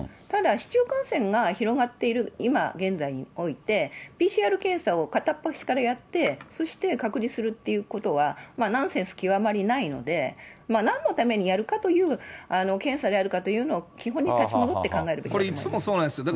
ただ、市中感染が広がっている今現在において、ＰＣＲ検査を片っ端からやって、そして隔離するということはナンセンス極まりないので、なんのためにやるかという検査であるかというのを、基本に立ち戻って考えるべきだと思います。